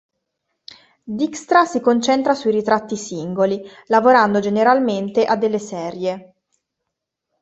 Dijkstra si concentra sui ritratti singoli, lavorando generalmente a delle serie.